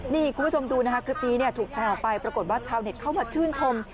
นี่คุณผู้ชมดูนะคะคลิปนี้ถูกแชร์ออกไปปรากฏว่าชาวเน็ตเข้ามาชื่นชม